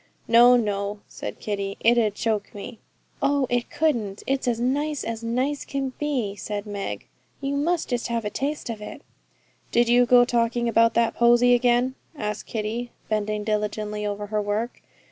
'No, no,' said Kitty, 'it 'ud choke me.' 'Oh, it couldn't; it's as nice as nice can be,' said Meg. 'You must just have a taste of it.' 'Did you go talking about that Posy again?' asked Kitty, bending diligently over her work.